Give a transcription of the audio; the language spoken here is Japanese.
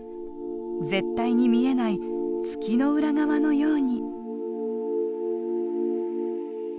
絶対に見えない月の裏側のように。